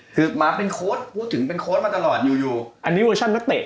คือหมาเป็นโค้ดพูดถึงเป็นโค้ดมาตลอดอยู่อันนี้เวอร์ชันนักเตะ